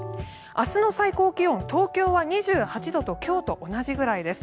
明日の最高気温、東京は２８度と今日と同じぐらいです。